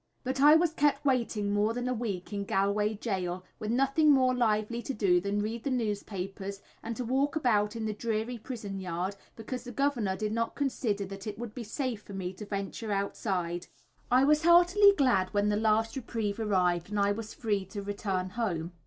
But I was kept waiting more than a week in Galway gaol, with nothing more lively to do than to read the newspapers, and to walk about in the dreary prison yard, because the governor did not consider that it would be safe for me to venture outside. I was heartily glad when the last reprieve arrived and I was free to return home.